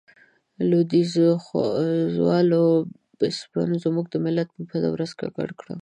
د لوېديځوالو بسپنو زموږ ملت په بده ورځ ککړ کړ.